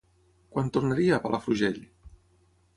Quan tornaria a Palafrugell?